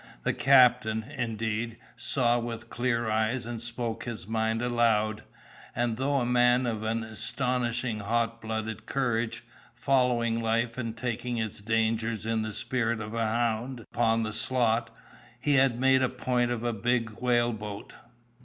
The captain, indeed, saw with clear eyes and spoke his mind aloud; and though a man of an astonishing hot blooded courage, following life and taking its dangers in the spirit of a hound upon the slot, he had made a point of a big whaleboat.